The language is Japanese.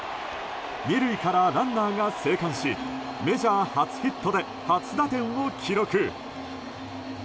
２塁からランナーが生還しメジャー初ヒットで初打点を記録。